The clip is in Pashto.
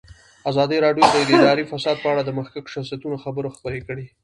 ازادي راډیو د اداري فساد په اړه د مخکښو شخصیتونو خبرې خپرې کړي.